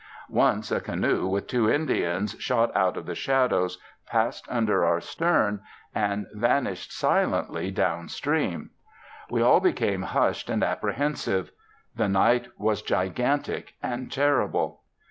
Once a canoe with two Indians shot out of the shadows, passed under our stern, and vanished silently down stream. We all became hushed and apprehensive. The night was gigantic and terrible.